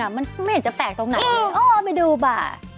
มันไม่เห็นจะแปลกตรงไหนอ๋อไปดูบ่า